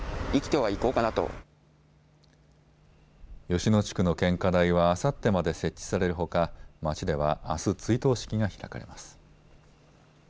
吉野地区の献花台はあさってまで設置されるほか町ではあす追悼式が開かれます。